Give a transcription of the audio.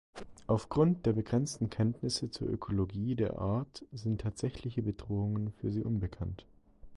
Aufgrund der begrenzten Kenntnisse zur Ökologie der Art sind tatsächliche Bedrohungen für sie unbekannt.